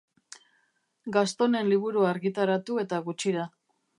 Gastonen liburua argitaratu eta gutxira.